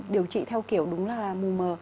điều trị theo kiểu đúng là mù mờ